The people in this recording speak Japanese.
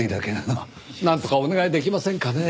なんとかお願いできませんかねぇ？